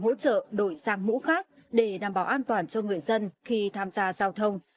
hỗ trợ đổi sang mũ khác để đảm bảo an toàn cho người dân khi tham gia giao thông